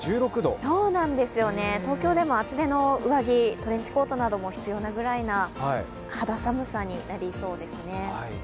東京でも厚手の上着トレンチコートなども必要なぐらいの肌寒さになりそうですね。